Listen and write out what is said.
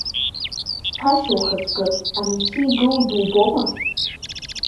Сԥашьа ухаҵкы, анахьхьи игылоу дубома?